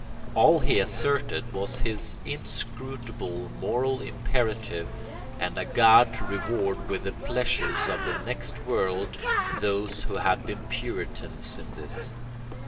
All he asserted was his inscrutable moral imperative and a God to reward with the pleasures of the next world those who had been Puritans in this.